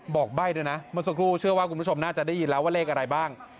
ใบ้ด้วยนะเมื่อสักครู่เชื่อว่าคุณผู้ชมน่าจะได้ยินแล้วว่าเลขอะไรบ้าง